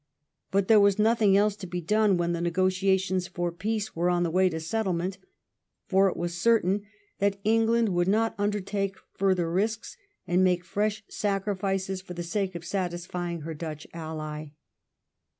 But there was nothing else to be done when the negotiations for peace were on the way to settlement, for it was certain that England would not undertake further risks and make fresh sacrifices for the sake of satisfy ing her Dutch ally.